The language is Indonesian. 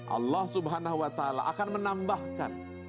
allah subhanahu wa ta'ala akan menambahkan